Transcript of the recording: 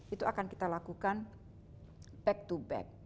itu akan kita lakukan back to back